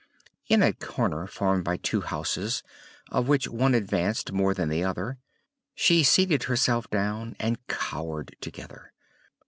In a corner formed by two houses, of which one advanced more than the other, she seated herself down and cowered together.